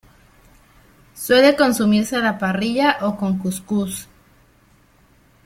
Suele consumirse a la parrilla o con cuscús.